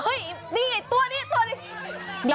เฮ้ยนี่ไงตัวนี้ตัวนี้